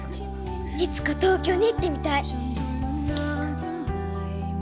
いつか東京に行ってみたい。